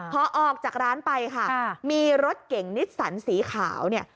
พอออกจากร้านไปค่ะมีรถเก่งนิสสันสีขาวเนี่ย